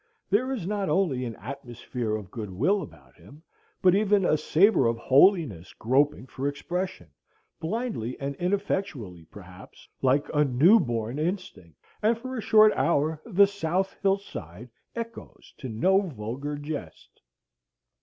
There is not only an atmosphere of good will about him, but even a savor of holiness groping for expression, blindly and ineffectually perhaps, like a new born instinct, and for a short hour the south hill side echoes to no vulgar jest.